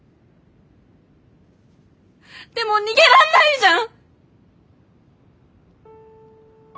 でも逃げらんないじゃん！